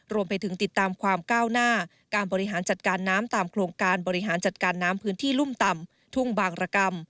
รวมไปถึงติดตามความก้าวหน้าการบริหารจัดการน้ำตามโครงการบริหารจัดการน้ำพื้นที่รุ่มต่ำทุ่งบางรกรรม